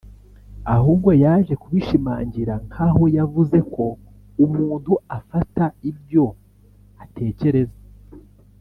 ahubwo yaje kubishimangira nk’aho yavuze ko “Umuntu afata ibyo atekereza